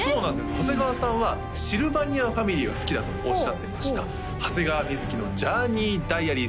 長谷川さんはシルバニアファミリーが好きだとおっしゃっていました長谷川瑞のＪｏｕｒｎｅｙＤｉａｒｙ